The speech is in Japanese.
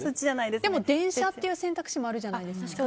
でも電車っていう選択肢もあるじゃないですか。